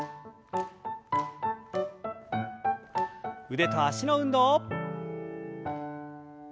腕と脚の運動。